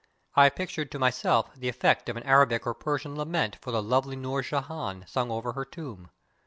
I pictured to myself the effect of an Arabic or Persian lament for the lovely Noor Jehan, sung over her tomb.